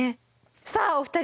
さあお二人